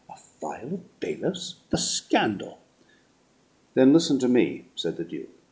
A file of bailiffs? The scandal!" "Then listen to me," said the Duke.